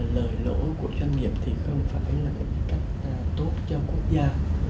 lời lỗi của doanh nghiệp thì không phải là một cách tốt cho quốc gia